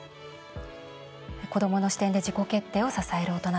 「子どもの視点で自己決定を支える大人。